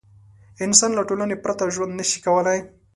انسان له ټولنې پرته ژوند نه شي کولی.